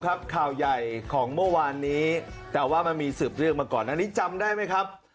ข่าวใหญ่ของเมื่อวานนี้แต่ว่ามันมีสืบเรื่องมาก่อนอันนี้จำได้ไหมครับ